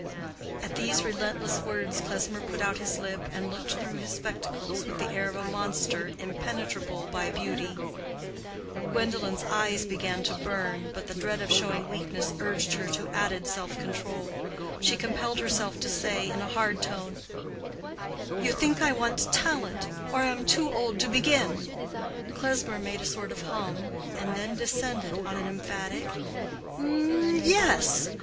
At these relentless words Klesmer put out his lip and looked through his spectacles with the air of a monster impenetrable by beauty. Gwendolen's eyes began to burn, but the dread of showing weakness urged her to added self control. She compelled herself to say, in a hard tone, "You think I want talent, or am too old to begin." Klesmer made a sort of hum, and then descended on an emphatic "Yes!